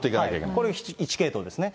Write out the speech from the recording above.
これが１系統ですね。